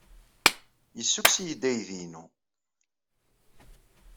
Yessukkes-iyi-d aydi-inu.